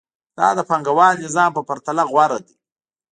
دا د پانګوال نظام په پرتله غوره دی